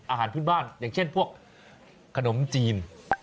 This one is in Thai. อาหารพื้นบ้านอย่างเช่นพวกขนมจีน